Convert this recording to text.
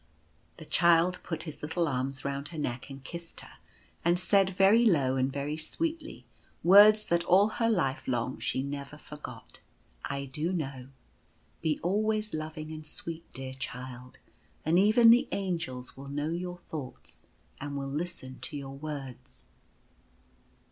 The Child put his little arms round her neck and kissed her, and said, very low and very sweetly, words that all her life long she never forgot : cc I do know. Be always loving and sweet, dear child, and even the Angels will know your thoughts and will listen to your words."